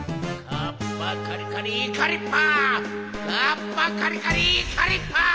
カッパカリカリイカリッパ！